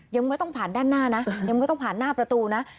ยังไม่ต้องผ่านด้านหน้านะยังไม่ต้องผ่านหน้าประตูนะ